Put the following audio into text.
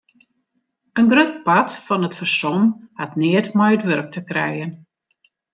In grut part fan it fersom hat neat mei it wurk te krijen.